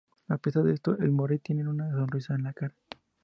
A pesar de esto, al morir tienen una sonrisa en la cara.